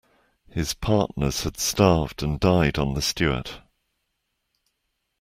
His partners had starved and died on the Stewart.